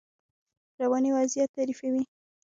رواني وضعیت تعریفوي.